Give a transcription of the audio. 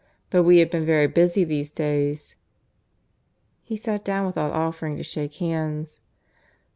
But we have been very busy these days." He sat down without offering to shake hands.